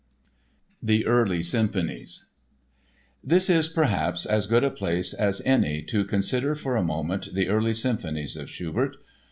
The Early Symphonies This is, perhaps, as good a place as any to consider for a moment the early symphonies of Schubert.